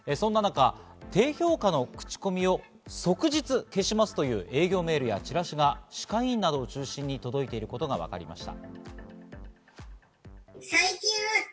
低評価の口コミを即日消しますという営業メールやチラシが歯科医院など中心に届いていることが分かりました。